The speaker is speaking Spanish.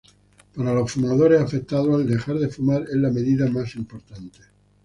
Para los fumadores afectados el dejar de fumar es la medida más importante.